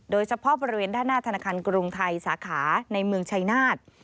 โดยเฉพาะบริเวณด้านหน้าธนาคารกรุงไทยสาขาในเมืองชายนาฏ